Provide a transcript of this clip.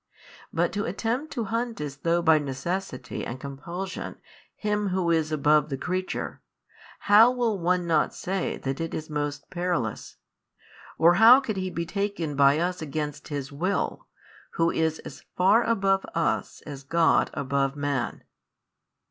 But to attempt to hunt as though by necessity and compulsion Him Who is above the creature, how will one not say that it is most perilous? or how could He be taken by us against His Will, Who is as far above us as God above Man?